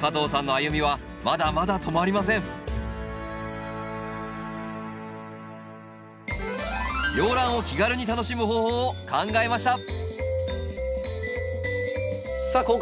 加藤さんの歩みはまだまだ止まりません洋ランを気軽に楽しむ方法を考えましたさあ